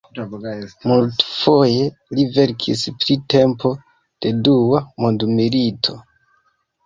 Multfoje li verkis pri tempo de Dua mondmilito.